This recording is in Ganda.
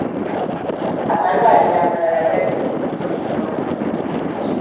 Amalwaliro amalala gali mu kuzimbibwa.